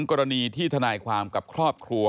กรณีที่ทนายความกับครอบครัว